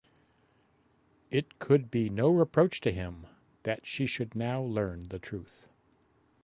It could be no reproach to him that she should now learn the truth.